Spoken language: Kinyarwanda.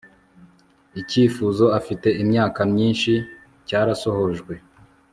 icyifuzo afite imyaka myinshi cyarasohojwe